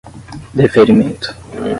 deferimento